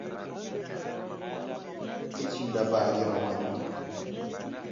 کچی لەباری ڕەوەند